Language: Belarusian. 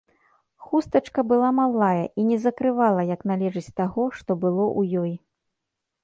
Хустачка была малая і не закрывала як належыць таго, што было ў ёй.